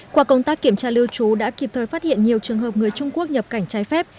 qua công tác kiểm tra lưu trú đã kịp thời phát hiện nhiều trường hợp người trung quốc nhập cảnh trái phép